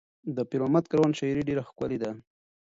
د پیر محمد کاروان شاعري ډېره ښکلې ده.